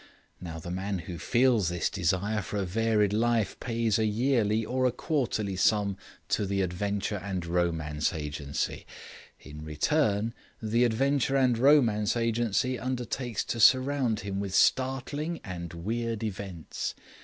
Now the man who feels this desire for a varied life pays a yearly or a quarterly sum to the Adventure and Romance Agency; in return, the Adventure and Romance Agency undertakes to surround him with startling and weird events.